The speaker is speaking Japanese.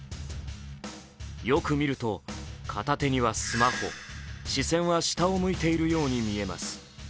よく見ると、片手にはスマホ視線は下を向いているように見えます。